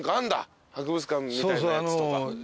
博物館みたいなやつとか。